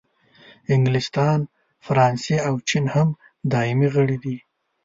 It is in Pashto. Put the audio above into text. انګلستان، فرانسې او چین هم دایمي غړي دي.